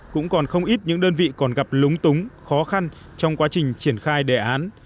cũng còn không ít những đơn vị còn gặp lúng túng khó khăn trong quá trình triển khai đề án